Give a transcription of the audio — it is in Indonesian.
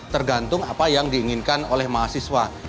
tergantung apa yang diinginkan oleh mahasiswa